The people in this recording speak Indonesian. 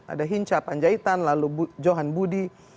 ada hinca panjaitan lalu johan budi